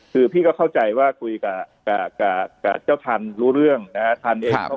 คือพี่ก็เข้าใจว่าคุยกับเจ้าทันรู้เรื่องนะฮะทันเอง